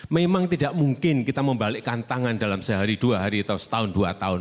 memang tidak mungkin kita membalikkan tangan dalam sehari dua hari atau setahun dua tahun